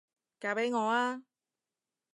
嫁畀我吖？